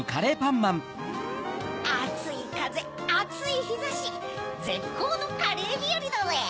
あついかぜあついひざしぜっこうのカレーびよりだぜ！